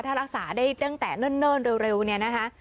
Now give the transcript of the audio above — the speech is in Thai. ถ้ารักษาได้ตั้งแต่เนิ่นเร็วเนี่ยนะคะ